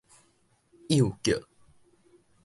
幼腳